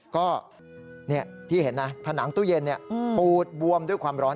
ก็ที่เห็นนะผนังตู้เย็นปูดบวมด้วยความร้อน